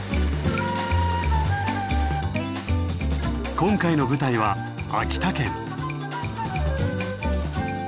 今回の舞台は秋田県。